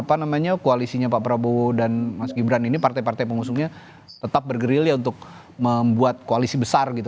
apa namanya koalisinya pak prabowo dan mas gibran ini partai partai pengusungnya tetap bergerilya untuk membuat koalisi besar gitu